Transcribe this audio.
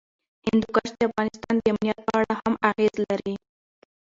هندوکش د افغانستان د امنیت په اړه هم اغېز لري.